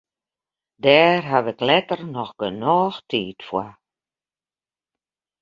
Dêr haw ik letter noch genôch tiid foar.